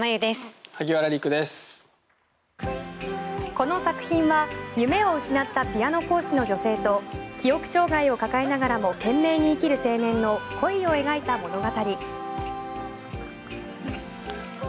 この作品は夢を失ったピアノ講師の女性と記憶障害を抱えながらも懸命に生きる青年の恋を描いた物語。